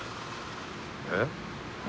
えっ？